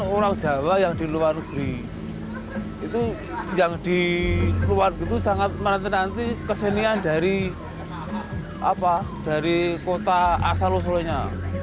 orang jawa yang di luar negeri itu yang di luar itu sangat menanti nanti kesenian dari kota asal usulnya